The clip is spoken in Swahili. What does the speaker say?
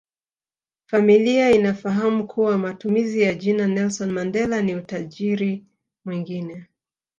Familia inafahamu kuwa matumizi ya jina Nelson Mandela ni utajiri mwingine